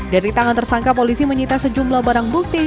dari tangan tersangka polisi menyita sejumlah barang bukti